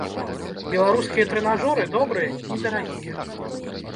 Беларускія трэнажоры добрыя і недарагія.